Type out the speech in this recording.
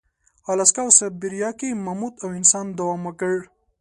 الاسکا او سابیریا کې ماموت او انسان دوام وکړ.